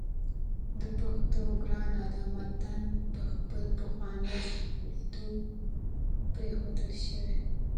د پښتو ګرانه ده متن په خپل پخواني لیکدود پرېښودل شوی